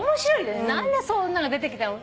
何でそんなんが出てきたの。